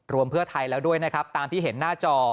รวมเพื่อไทยแล้วด้วยนะครับตามที่เห็นหน้าจอ